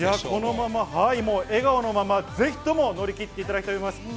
このまま、笑顔のまま、ぜひとも乗り切っていただきたいと思います。